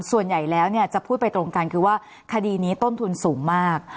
ส่วนใหญ่แล้วจะพูดไปตรงกันคือว่าคดีนี้ต้นทุนสูงมาก